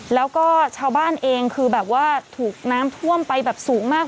แล้วก็เช้าบ้านเองคือแบบว่าถูกน้ำท่วมไปสูงมาก๕๕๕๐๐๑๐๐๒